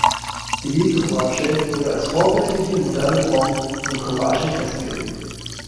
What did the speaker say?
Zivilcourage wurde als vorbildliche moderne Form von Courage festgelegt.